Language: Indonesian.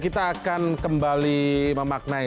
kita akan kembali memaknai